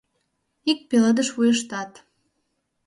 Ик пеледыш вуйыштат;